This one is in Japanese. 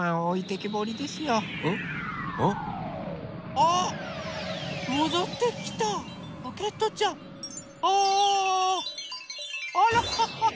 あら。